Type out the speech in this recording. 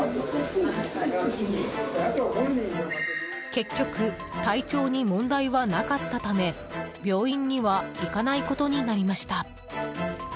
結局体調に問題はなかったため病院には行かないことになりました。